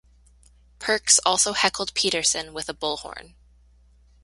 Perks also heckled Peterson with a bullhorn.